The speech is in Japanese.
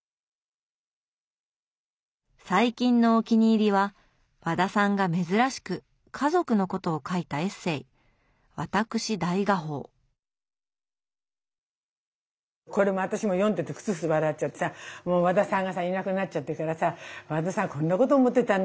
最近のお気に入りは和田さんが珍しく家族のことを書いたエッセーこれも私も読んでてクスクス笑っちゃってさ和田さんがさいなくなっちゃってからさ和田さんこんなこと思ってたんだ